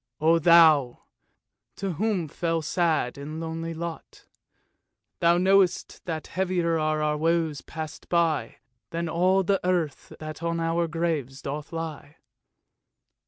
O Thou ! to whom fell sad and lonely lot, Thou knowst, that heavier are our woes passed by, Than all the earth that on our graves doth lie."